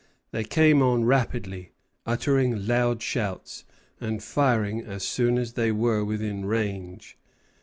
They came on rapidly, uttering loud shouts, and firing as soon as they were within range.